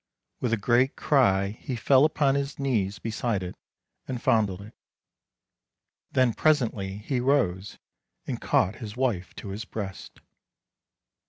With a great cry he fell upon his knees beside it, and fondled it. Then presently, he rose, and caught his wife to his breast.